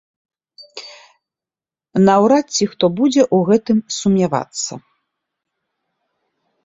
Наўрад ці хто будзе ў гэтым сумнявацца.